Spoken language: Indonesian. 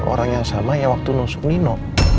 orang yang sama ya waktu nusuk nino